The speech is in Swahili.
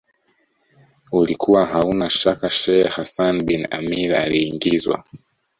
ulikuwa hauna shaka Sheikh Hassan bin Amir aliingizwa